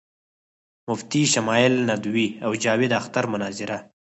مفتی شمائل ندوي او جاوید اختر مناظره